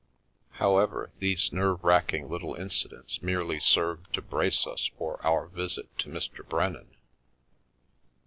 However, these nerve racking little inci dents merely served to brace us for our visit to Mr. Brennan.